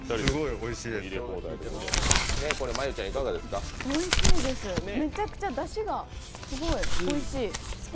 おいしいです、めちゃくちゃだしがすごいおいしい。